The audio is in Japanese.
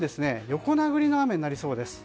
横殴りの雨になりそうです。